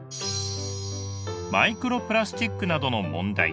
マイクロプラスチックなどの問題。